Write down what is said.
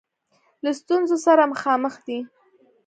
له ستونزه سره مخامخ دی.